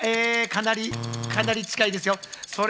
かなり近いですよ。